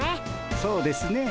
そうですねぇ。